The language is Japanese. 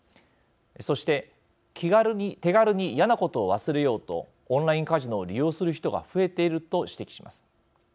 そして気軽に手軽に嫌なことを忘れようとオンラインカジノを利用する人が増えていると指摘します。